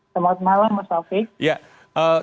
selamat malam mas alfi